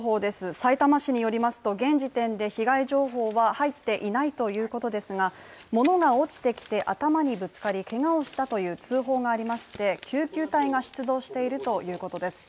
さいたま市によりますと現時点で被害情報は入っていないということですがものが落ちてきて頭にぶつかりけがをしたという通報がありまして救急隊が出動しているということです。